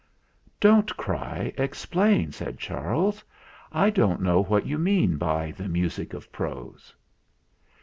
"Don't cry explain," said Charles. "I don't know what you mean by the music of prose."